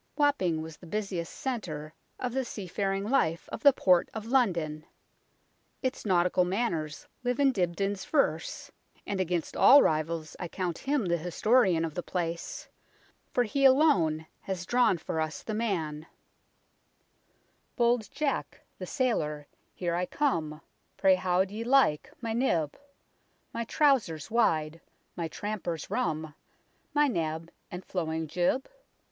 Wapping was the busiest centre of the seafaring life of the port of London. Its nautical manners live in Dibdin's verse, and against all rivals I count him the historian of the place, for he alone has drawn for us the man " Bold Jack, the sailor, here I come, Pray how d'ye like my nib, My trowsers wide, my trampers rum, My nab, and flowing jib